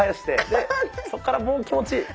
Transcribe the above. でそっからもう気持ち。